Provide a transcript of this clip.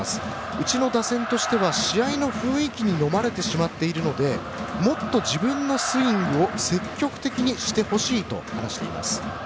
うちの打線としては試合の雰囲気にのまれてしまっているのでもっと自分のスイングを積極的にしてほしいと話しています。